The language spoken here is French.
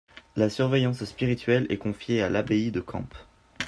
La surveillance spirituelle est confiée à l'abbaye de Kamp.